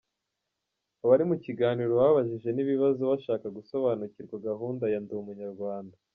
Abari mu kiganiro babajije n’ibibazo bashaka gusobanukirwa gahunda ya Ndi umunyarwanda.